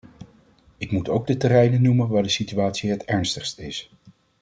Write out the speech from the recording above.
Ik moet ook de terreinen noemen waar de situatie het ernstigst is.